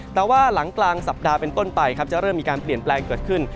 แต่ว่าหลังกลางสัปดาห์เป็นต้นไปครับจะเริ่มมีการเปลี่ยนแปลงเกิดขึ้น